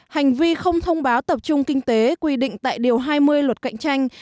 hành vi không thông báo tập trung kinh tế quy định tại điều hai mươi luật cạnh tranh